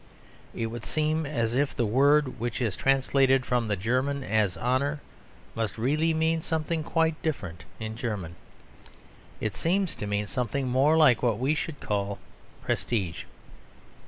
It would seem as if the word which is translated from the German as "honour" must really mean something quite different in German. It seems to mean something more like what we should call "prestige."